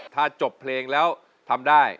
ถ้าจบเพลงแล้วทำได้